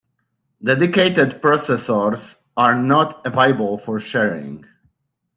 Dedicated processors are not available for sharing.